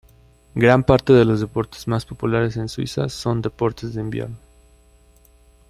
Gran parte de los deportes más populares en Suiza son deportes de invierno.